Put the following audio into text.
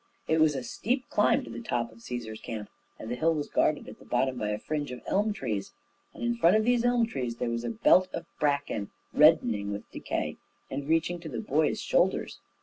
It was a steep climb to the top of Cæsar's Camp, and the hill was guarded at the bottom by a fringe of elm trees; and in front of these elm trees there was a belt of bracken, reddening with decay, and reaching to the boys' shoulders.